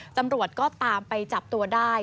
ตำรวจก็ตามไปจับตัวได้